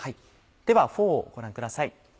ではフォーをご覧ください。